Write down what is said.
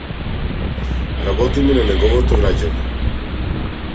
Работиме на неговото враќање.